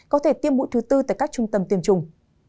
có thể tiêm mũi thứ tư tại các trung tâm tiêm chủng